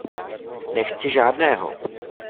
Nechci žádného!